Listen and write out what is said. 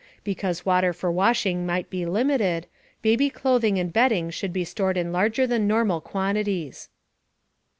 Because water for washing might be limited, baby clothing and bedding should be stored in larger than normal quantities.